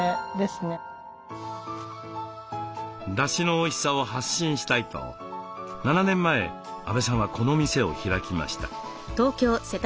だしのおいしさを発信したいと７年前阿部さんはこの店を開きました。